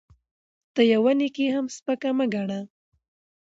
ته يوه نيکي هم سپکه مه ګڼه